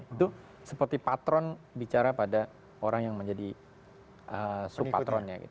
itu seperti patron bicara pada orang yang menjadi supatronnya